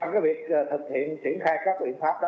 cái việc thực hiện triển khai các biện pháp đó